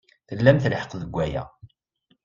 Tlamt lḥeqq deg waya.